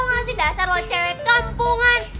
tau gak sih dasar lo cewek kampungan